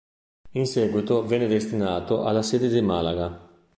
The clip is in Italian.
In seguito venne destinato alla sede di Malaga.